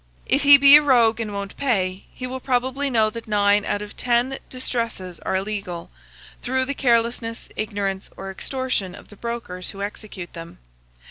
If he be a rogue and won't pay, he will probably know that nine out of ten distresses are illegal, through the carelessness, ignorance, or extortion of the brokers who execute them.